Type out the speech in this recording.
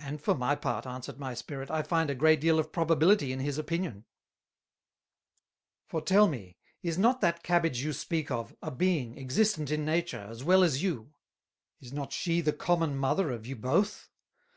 "And for my part," answered my Spirit, "I find a great deal of probability in his Opinion." [Sidenote: The Soul of Plants] "For tell me, Is not that Cabbage you speak of, a Being existent in Nature, as well as you? Is not she the common Mother of you both?